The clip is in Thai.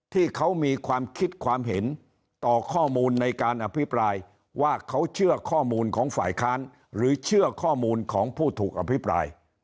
ที่เขามีความคิดความเห็นต่อข้อมูลในการอภิปรายว่าเขาเชื่อข้อมูลของฝ่ายค้านหรือเชื่อข้อมูลของผู้ถูกอภิปราย